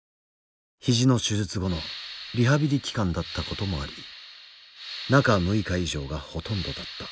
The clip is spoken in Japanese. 肘の手術後のリハビリ期間だったこともあり中６日以上がほとんどだった。